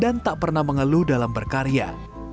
dan tidak pernah mengeluh dalam berkarya